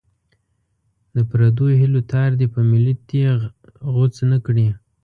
د پردو هیلو تار دې په ملي تېغ غوڅ نه کړي.